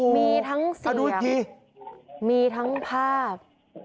มีทั้งเสียงมีทั้งภาพ